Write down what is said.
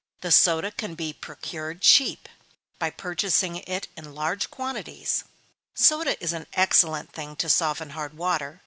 The soda can be procured cheap, by purchasing it in large quantities soda is an excellent thing to soften hard water.